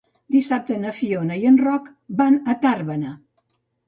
Dissabte na Fiona i en Roc van a Tàrbena.